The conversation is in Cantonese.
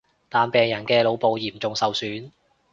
但病人嘅腦部嚴重受損